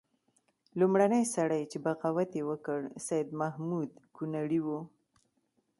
لومړنی سړی چې بغاوت یې وکړ سید محمود کنړی وو.